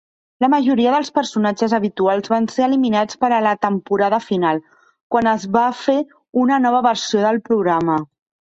La majoria dels personatges habituals van ser eliminats per a la temporada final, quan es va fer una nova versió del programa.